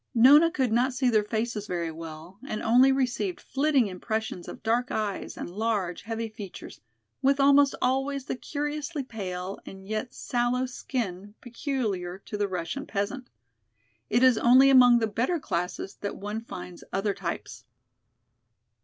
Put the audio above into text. Nona could not see their faces very well, and only received flitting impressions of dark eyes and large, heavy features, with almost always the curiously pale and yet sallow skin peculiar to the Russian peasant. It is only among the better classes that one finds other types.